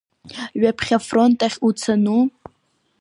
Ҩаԥхьа афронт ахь уцону?